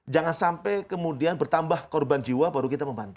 jangan sampai kemudian bertambah korban jiwa baru kita membantu